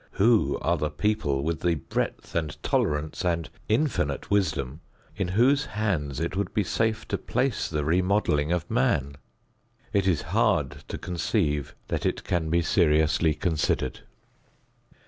Who are the people with the breadth and tolerance and infinite wisdom, in whose hands it would be safe to place the remodeling of man? It is hard to conceive that it can be seriously considered.